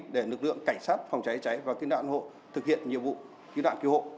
để lực lượng cảnh sát phòng cháy cháy và cứu nạn hộ thực hiện nhiệm vụ cứu nạn cứu hộ